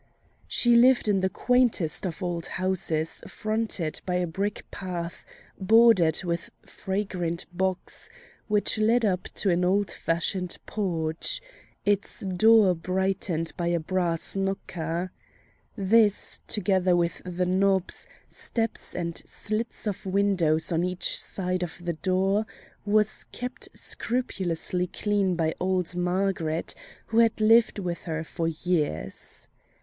She lived in the quaintest of old houses fronted by a brick path bordered with fragrant box, which led up to an old fashioned porch, its door brightened by a brass knocker. This, together with the knobs, steps, and slits of windows on each side of the door, was kept scrupulously clean by old Margaret, who had lived with her for years.